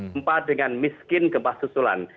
gempa dengan miskin gempa susulan